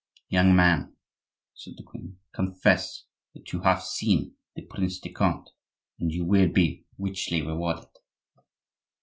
"Young man," said the queen, "confess that you have seen the Prince de Conde, and you will be richly rewarded."